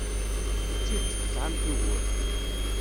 D tidet tesɛamt ugur.